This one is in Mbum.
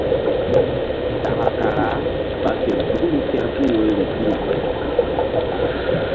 Ɗaka kara ɓa fe duklu kerpuh woyri pi.